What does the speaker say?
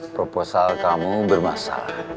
proposal kamu bermasalah